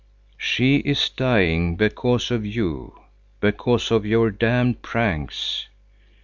"She is dying because of you, because of your damned pranks.